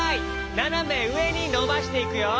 ななめうえにのばしていくよ。